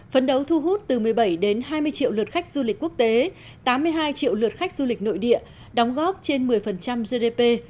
phấn đấu thu hút từ một mươi bảy đến hai mươi triệu lượt khách du lịch quốc tế tám mươi hai triệu lượt khách du lịch nội địa đóng góp trên một mươi gdp